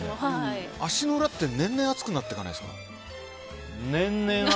足の裏って年々暑くなっていかないですか？